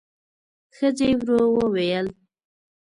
ښځې ورو وويل: